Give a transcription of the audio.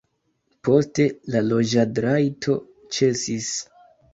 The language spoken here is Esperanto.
Poste la loĝadrajto ĉesis.